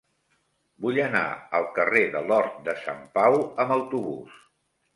Vull anar al carrer de l'Hort de Sant Pau amb autobús.